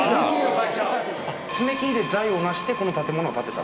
爪切りで財を成してこの建物を立てた。